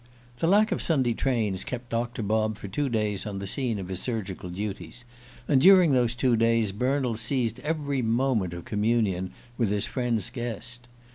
The lack of Sunday trains kept Doctor Bob for two days on the scene of his surgical duties, and during those two days Bernald seized every moment of communion with his friend's guest.